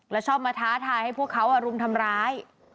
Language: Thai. แล้วชอบมาท้าทายให้พวกเขารุมทำร้าย